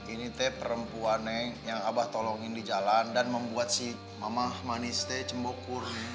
ini teh perempuan yang saya tolongin di jalan dan membuat si mama maniste cembokur